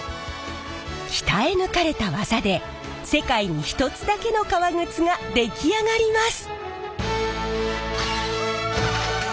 鍛え抜かれた技で世界に一つだけの革靴が出来上がります！